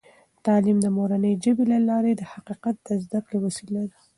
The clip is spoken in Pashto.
تعلیم د مورنۍ ژبې له لارې د حقیقت د زده کړې وسیله ده.